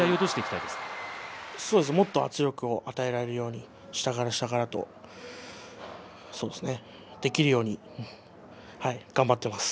もっと圧力を与えられるように下から下からと、そうですねできるように頑張ってます。